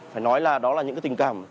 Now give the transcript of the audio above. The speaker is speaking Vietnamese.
phải nói là đó là những tình cảm